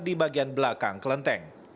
di bagian belakang kelenteng